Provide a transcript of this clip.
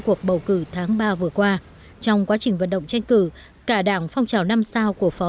cuộc bầu cử tháng ba vừa qua trong quá trình vận động tranh cử cả đảng phong trào năm sao của phó